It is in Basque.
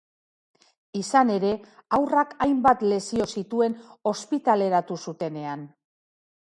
Izan ere, haurrak hainbat lesio zituen ospitaleratu zutenean.